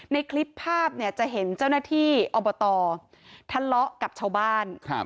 ในคลิปภาพเนี่ยจะเห็นเจ้าหน้าที่อบตทะเลาะกับชาวบ้าน